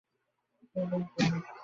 এতকাল পরে এ কী প্রত্যাবর্তন বিন্দুর?